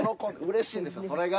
嬉しいんですよそれが。